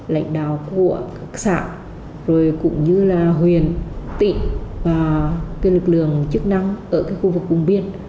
lãnh đạo của các xã rồi cũng như là huyện tị và cái lực lượng chức năng ở cái khu vực vùng biên